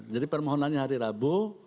jadi permohonannya hari rabu